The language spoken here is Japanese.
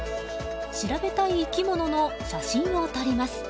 調べたい生き物の写真を撮ります。